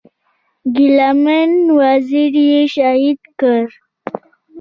ګيله من وزير یې شهید کړ.